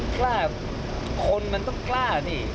คลาคนมันต้องคลาใช่ไหม